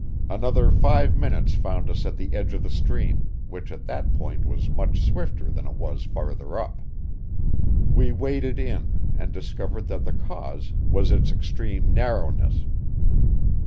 Another five minutes found us at the edge of the stream, which at that point was much swifter than it was farther up. We waded in and discovered that the cause was its extreme narrowness.